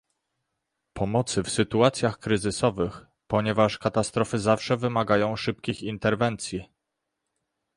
Pomocy w Sytuacjach Kryzysowych, ponieważ katastrofy zawsze wymagają szybkich interwencji